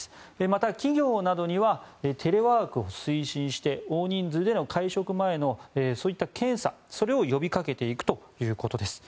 また企業などにはテレワークを推進して大人数での会食前のそういった検査それを呼びかけていくということです。